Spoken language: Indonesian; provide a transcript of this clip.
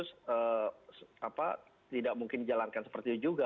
terus tidak mungkin dijalankan seperti itu juga